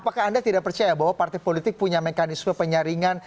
apakah anda tidak percaya bahwa partai politik punya mekanisme penyaringan